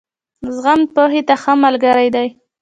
زغم، پوهې ته ښه ملګری دی.